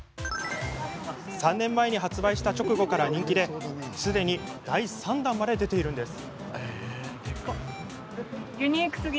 ３年前に発売した直後から人気ですでに第３弾まで出ているんです。